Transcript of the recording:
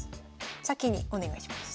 先にお願いします。